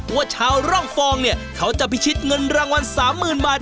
ว่าชาวร่องฟองเนี่ยเขาจะพิชิตเงินรางวัล๓๐๐๐บาท